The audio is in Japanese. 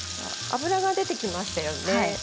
脂が出てきましたよね。